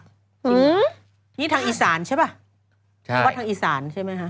นี่ทางอีสานใช่ป่ะหรือว่าทางอีสานใช่ไหมฮะ